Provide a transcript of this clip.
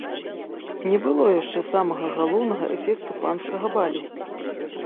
Не было яшчэ самага галоўнага эфекту панскага балю.